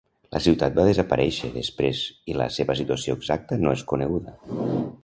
La ciutat va desaparèixer després i la seva situació exacta no és coneguda.